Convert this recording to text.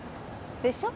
でしょ？